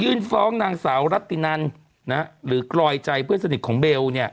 ฟ้องนางสาวรัตินันหรือกลอยใจเพื่อนสนิทของเบล